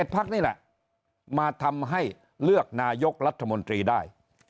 พักนี่แหละมาทำให้เลือกนายกรัฐมนตรีได้